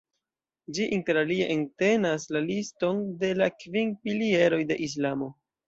Ĝi interalie entenas la liston de la kvin pilieroj de Islamo.